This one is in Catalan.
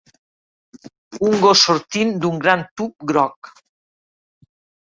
Un gos sortint d'un gran tub groc